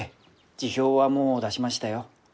辞表はもう出しましたよ。